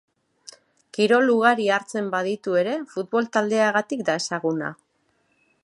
Kirol ugari hartzen baditu ere, futbol taldeagatik da ezaguna.